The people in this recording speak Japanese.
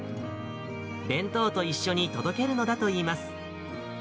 弁当と一緒に届けるのだといいます。